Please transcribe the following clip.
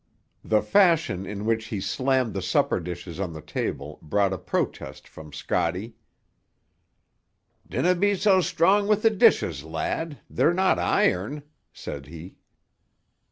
The fashion in which he slammed the supper dishes on the table brought a protest from Scotty. "Dinna be so strong with the dishes, lad; they're not iron," said he.